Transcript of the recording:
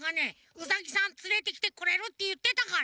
ウサギさんつれてきてくれるっていってたから！